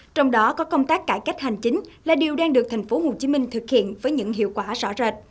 trong đó có công tác cải cách hành chính là điều đang được tp hcm thực hiện với những hiệu quả rõ rệt